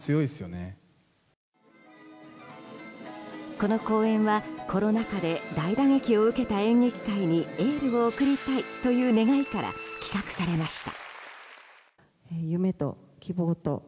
この公演はコロナ禍で大打撃を受けた演劇界にエールを送りたいという願いから企画されました。